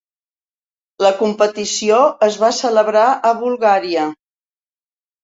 La competició es va celebrar a Bulgària.